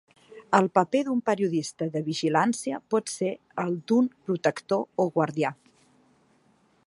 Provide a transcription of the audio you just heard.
El paper d'un periodista de vigilància pot ser el d'un protector o guardià.